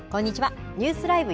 ニュースＬＩＶＥ！